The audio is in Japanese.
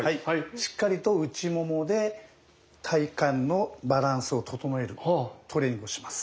しっかりと内ももで体幹のバランスを整えるトレーニングをします。